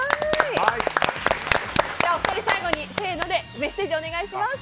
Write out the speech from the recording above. お二人、最後にせーのでメッセージお願いします。